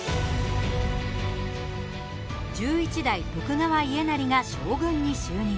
１１代・徳川家斉が将軍に就任。